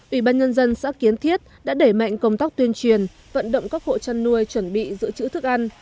ủy ban nhân dân xã kiến thiết đã đẩy mạnh công tác tuyên truyền vận động các hộ chăn nuôi chuẩn bị giữ chữ thức ăn